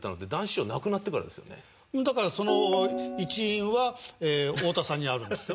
だからその一因は太田さんにあるんですよ。